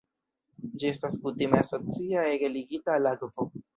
Ĝi estas kutime asocia ege ligita al akvo.